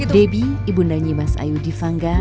debbie ibu nanyi mas ayu di vangga